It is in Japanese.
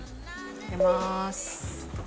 入れまーす。